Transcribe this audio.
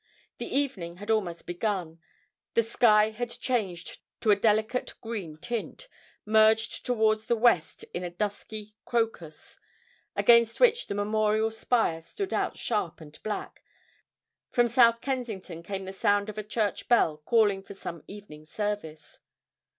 The evening had almost begun; the sky had changed to a delicate green tint, merged towards the west in a dusky crocus, against which the Memorial spire stood out sharp and black; from South Kensington came the sound of a church bell calling for some evening service.